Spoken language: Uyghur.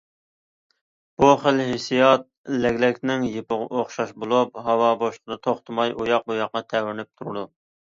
بۇ خىل ھېسسىيات لەگلەكنىڭ يىپىغا ئوخشاش بولۇپ، ھاۋا بوشلۇقىدا توختىماي ئۇياق- بۇياققا تەۋرىنىپ تۇرىدۇ.